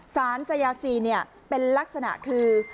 สารไซราซีนเนี่ยเป็นลักษณะคือ